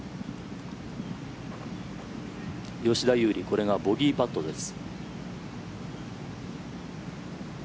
吉田優利これがボギーパットです。